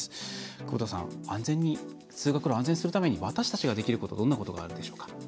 久保田さん、通学路を安全にするために私たちができることはどんなことでしょうか。